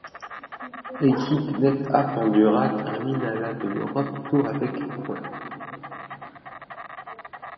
L'équipe NetApp-Endura termine à la de l'Europe Tour avec points.